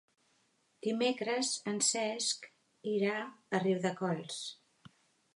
Dimecres en Cesc irà a Riudecols.